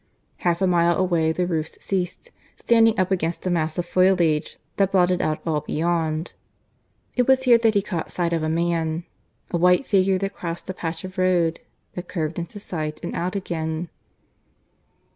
Half a mile away the roofs ceased, standing up against a mass of foliage that blotted out all beyond. It was here that he caught sight of a man a white figure that crossed a patch of road that curved into sight and out again.